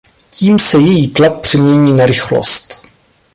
Tím se její tlak přemění na rychlost.